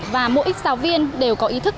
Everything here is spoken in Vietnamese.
và mỗi giáo viên đều có ý thức